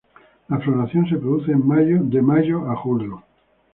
La floración se produce de mayo a julio.